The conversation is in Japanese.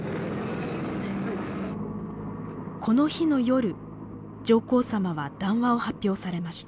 この日の夜上皇さまは談話を発表されました。